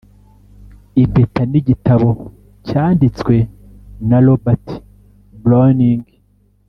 "impeta n'igitabo" cyanditswe na robert browning